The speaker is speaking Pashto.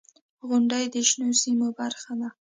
• غونډۍ د شنو سیمو برخه ده.